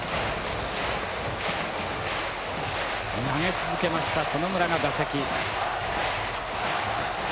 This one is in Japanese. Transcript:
投げ続けました園村が打席。